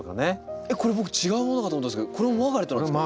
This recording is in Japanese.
これ僕違うものかと思ったんですけどこれもマーガレットなんですか？